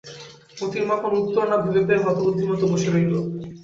মোতির মা কোনো উত্তর না ভেবে পেয়ে হতবুদ্ধির মতো বসে রইল।